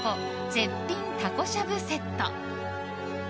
絶品たこしゃぶセット。